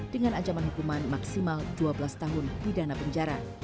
dengan ancaman hukuman maksimal dua belas tahun pidana penjara